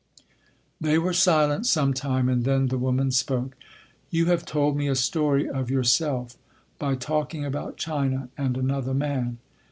They were silent some time and then the woman spoke: "You have told me a story of yourself—by talking about China and another man....